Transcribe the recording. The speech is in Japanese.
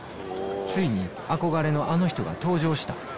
ついに憧れのあの人が登場した